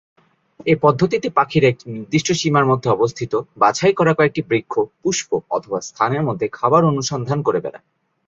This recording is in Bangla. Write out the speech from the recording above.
এ পদ্ধতিতে পাখিরা একটি নির্দিষ্ট সীমার মধ্যে অবস্থিত বাছাই করা কয়েকটি বৃক্ষ, পুষ্প অথবা স্থানের মধ্যে খাবার অনুসন্ধান করে বেড়ায়।